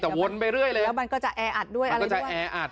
แต่วนไปเรื่อยแล้วมันก็จะแออัดด้วยอะไรมันจะแออัด